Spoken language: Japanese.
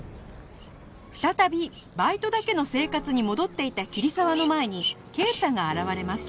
再びバイトだけの生活に戻っていた桐沢の前に圭太が現れます